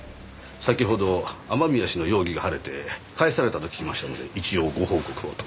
先ほど雨宮氏の容疑が晴れて帰されたと聞きましたので一応ご報告をと。